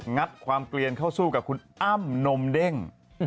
งัดความเกลียนเข้าสู้กับคุณอ้ำนมเด้ง